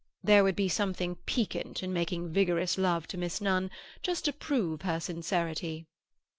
There would be something piquant in making vigorous love to Miss Nunn, just to prove her sincerity."